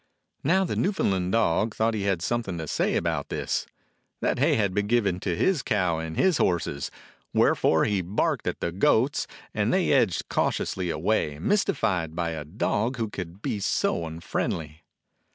Now the Newfoundland dog thought he had something to say about this. That hay had been given to his cow and his horses. Wherefore he barked at the goats, and they edged cautiously away, mystified by a dog who could be so unfriendly.